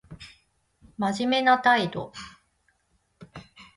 真面目な態度